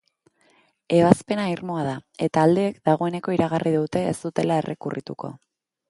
Ebazpena irmoa da, eta aldeek dagoeneko iragarri dute ez dutela errekurrituko.